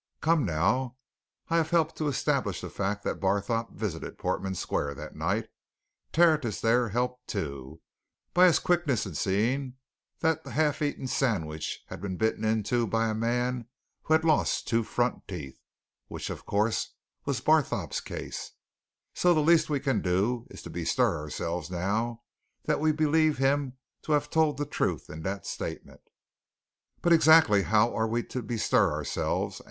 "Come now, I helped to establish the fact that Barthorpe visited Portman Square that night Tertius there helped too, by his quickness in seeing that the half eaten sandwich had been bitten into by a man who had lost two front teeth, which, of course, was Barthorpe's case so the least we can do is to bestir ourselves now that we believe him to have told the truth in that statement." "But how exactly are we to bestir ourselves?"